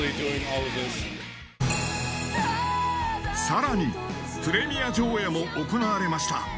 ［さらにプレミア上映も行われました］